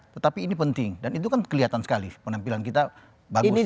tetapi ini penting dan itu kan kelihatan sekali penampilan kita bagus